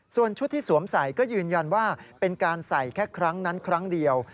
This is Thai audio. ส่วนชุดที่สวมใส่ก็ยืนยันว่าเป็นการใส่แค่ครั้งนั้นครั้งเดียว